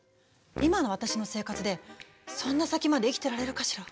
今の私の生活でそんな先まで生きてられるかしら？